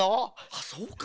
あそうか。